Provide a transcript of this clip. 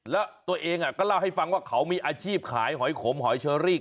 แล้วตัวเองก็เล่าให้ฟังว่าเขามีอาชีพขายหอยขมหอยเชอรี่